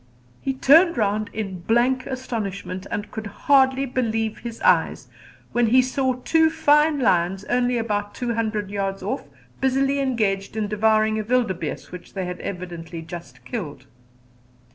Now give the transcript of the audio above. He turned round in blank astonishment and could hardly believe his eyes when he saw two fine lions only about two hundred yards off, busily engaged in devouring a wildebeeste which they had evidently just killed.